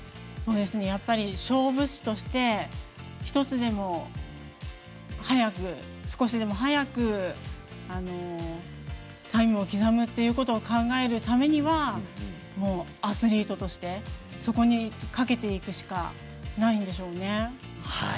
勝負師として１つでも早く少しでも早くタイムを刻むということを考えればもうアスリートとしてそこにかけていくしかないんでしょうね。